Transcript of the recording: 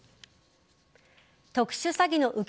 特殊詐欺の受け